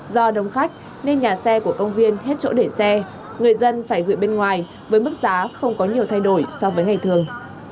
do đông khách nên nhà xe của công viên hết chỗ để xe người dân phải gửi bên ngoài với mức giá không có nhiều thay đổi so với ngày thường